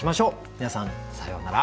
皆さんさようなら。